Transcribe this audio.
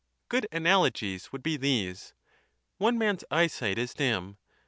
Good analogies would be these : one man's eyesight is dim.